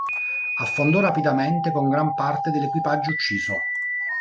Affondò rapidamente con gran parte dell'equipaggio ucciso.